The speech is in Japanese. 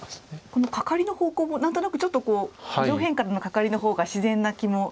このカカリの方向も何となくちょっと上辺からのカカリの方が自然な気もしてしまうのですが。